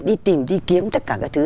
đi tìm đi kiếm tất cả các thứ